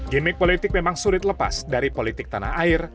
gimmick politik memang sulit lepas dari politik tanah air